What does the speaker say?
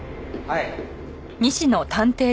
はい。